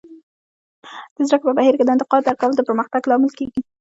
د زده کړې په بهیر کې د انتقاد درک کول د پرمختګ لامل کیږي.